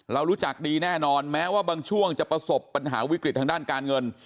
รู้จักดีแน่นอนแม้ว่าบางช่วงจะประสบปัญหาวิกฤตทางด้านการเงิน